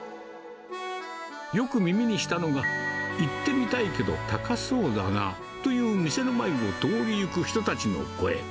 よく耳にしたのが、行ってみたいけど、高そうだなという店の前を通り行く人たちの声。